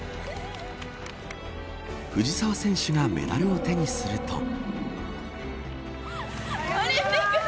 藤澤選手がメダルを手にすると。